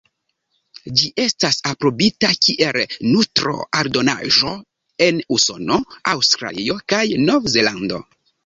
Ĝi estas aprobita kiel nutro-aldonaĵo en Usono, Aŭstralio kaj Nov-Zelando.